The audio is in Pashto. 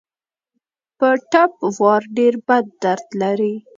په ټپ وار ډېر بد درد لري.